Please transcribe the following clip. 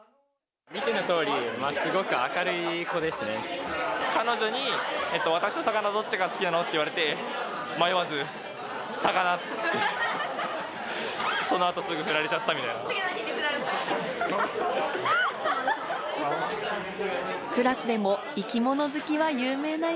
見てのとおり、すごく明るい彼女に、私と魚、どっちが好きなの？って言われて、迷わず魚って、そのあとすぐにふられちゃったみたいな。